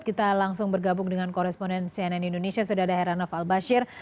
kita langsung bergabung dengan koresponden cnn indonesia sudah ada heranov al bashir